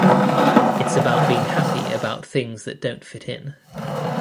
It's about being happy about things that don't fit in.